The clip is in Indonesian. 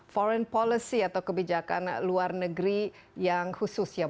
foreign policy atau kebijakan luar negeri yang khusus ya